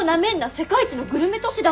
世界一のグルメ都市だぞ。